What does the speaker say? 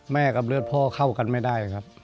กับเลือดพ่อเข้ากันไม่ได้ครับ